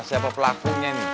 siapa pelakunya nih